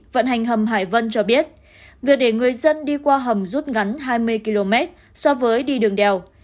vận hành hầm hải vân cho biết việc để người dân đi qua hầm rút ngắn hai mươi km so với đi đường đèo